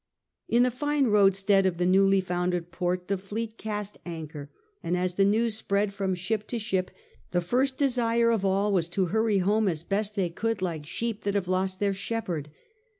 In the fine roadstead of the newly founded port the fleet cast anchor, and as the news spread from ship to ship the first desire of all was to hurry home as best they could like sheep that have lost their shepherd.